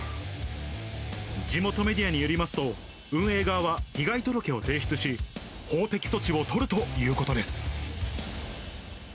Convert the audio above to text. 地元メディアによりますと、運営側は被害届を提出し、法的措置を取るということです。